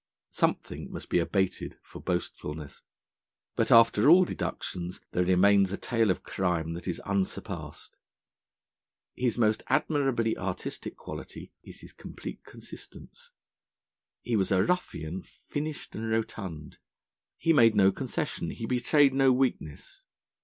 Something must be abated for boastfulness. But after all deduction there remains a tale of crime that is unsurpassed. His most admirably artistic quality is his complete consistence. He was a ruffian finished and rotund; he made no concession, he betrayed no weakness.